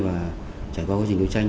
và trải qua quá trình đấu tranh